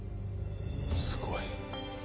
すごい。